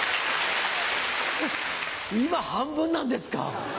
今半分なんですか。